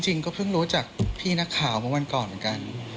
จริงก็เพิ่งรู้จากพี่นักข่าวเมื่อวันก่อนเหมือนกัน